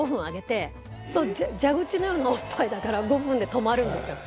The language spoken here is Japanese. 蛇口のようなおっぱいだから５分で止まるんですよ。